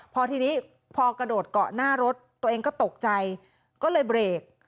พอทีนี้พอกระโดดเกาะหน้ารถตัวเองก็ตกใจก็เลยเบรก